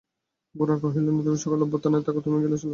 গোরা কহিল, না, তুমি সকলের অভ্যর্থনায় থাকো–তুমি গেলে চলবে না।